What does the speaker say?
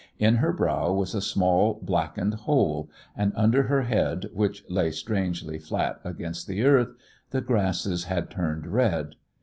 In her brow was a small blackened hole, and under her head, which lay strangely flat against the earth, the grasses had turned red.